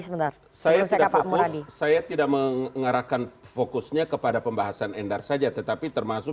sebenarnya saya tidak fokus saya tidak mengarahkan fokusnya kepada pembahasan endar saja tetapi termasuk